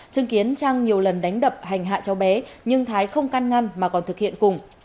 chứng kiến trang nhiều lần đánh đập hành hạ cháu bé nhưng thái không can ngăn mà còn thực hiện cùng